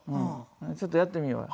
ちょっとやってみようよ。